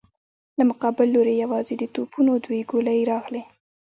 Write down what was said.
له مقابل لورې يواځې د توپونو دوې ګولۍ راغلې.